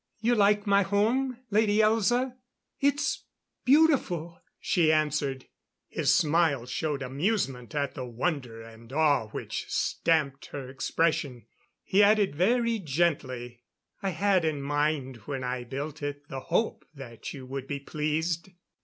"You like my home, Lady Elza?" "It's beautiful," she answered. His smile showed amusement at the wonder and awe which stamped her expression. He added very gently: "I had in mind when I built it, the hope that you would be pleased."